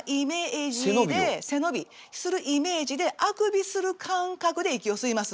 背伸びするイメージであくびする感覚で息を吸います。